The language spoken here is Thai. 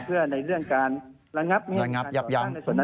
เพื่อในเรื่องการระงับระงับยับยั้ง